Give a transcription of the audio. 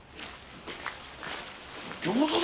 餃子だ！